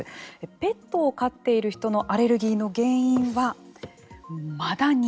ペットを飼っている人のアレルギーの原因はマダニ。